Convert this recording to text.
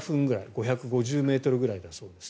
５５０ｍぐらいだそうです。